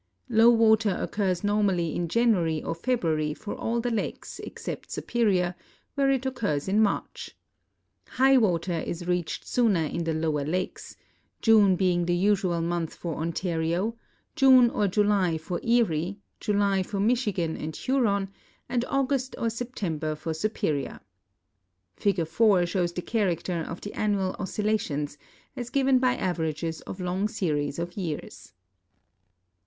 Low water occurs normally in .lamiary or February for all the lakes except Superior, where it occurs in March. Ili'di water is reacbt sooner in the lower lakes. .luno 240 MODIFICATION OF THE GREAT LAKES being the usual month for Ontario, June or Jul} for Krie, July for Michigan and Huron, and August or September for .Superior. Fig. 4 shows the character of the annual oscillations, as given by averages of long series of years.